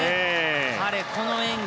彼、この演技